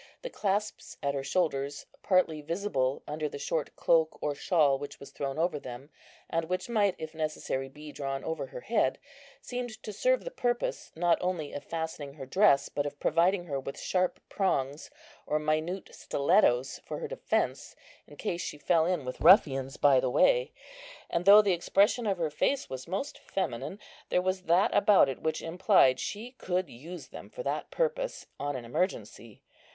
The clasps at her shoulders, partly visible under the short cloak or shawl which was thrown over them, and which might, if necessary, be drawn over her head, seemed to serve the purpose, not only of fastening her dress, but of providing her with sharp prongs or minute stilettos for her defence, in case she fell in with ruffians by the way; and though the expression of her face was most feminine, there was that about it which implied she could use them for that purpose on an emergency.